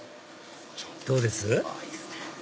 どうです？